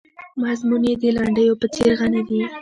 مضمون یې د لنډیو په څېر غني دی.